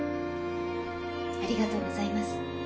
ありがとうございます。